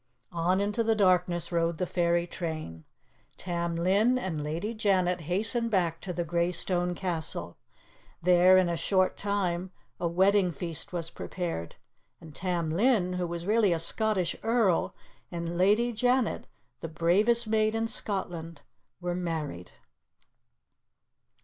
On into the darkness rode the fairy train. Tam Lin and Lady Janet hastened back to the grey stone castle. There, in a short time, a wedding feast was prepared, and Tam Lin, who was really a Scottish Earl, and Lady Janet, the bravest maid in Scotland, were married.